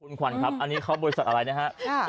คุณขวัญครับอันนี้เขาบริษัทอะไรนะครับ